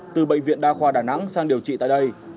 từ bệnh viện đa khoa đà nẵng sang điều trị tại đây